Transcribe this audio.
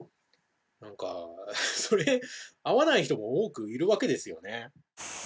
何か合わない人が多くいるわけですよね。